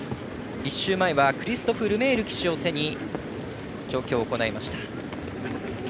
１週前はクリストフ・ルメール騎手を背に調教を行いました。